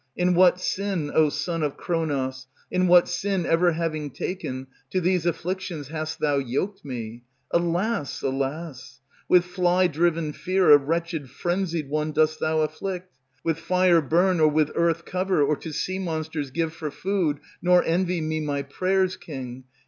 In what sin, O son of Kronos, In what sin ever having taken, To these afflictions hast thou yoked me? alas! alas! With fly driven fear a wretched Frenzied one dost thus afflict? With fire burn, or with earth cover, or To sea monsters give for food, nor Envy me my prayers, king.